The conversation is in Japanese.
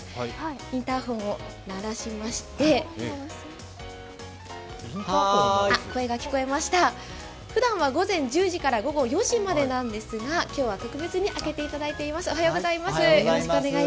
インターフォンを鳴らしまして、声が聞こえました、ふだんは午前１０時から午後４時までなんですが、今日は特別に開けていただいています。